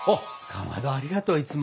かまどありがとういつも。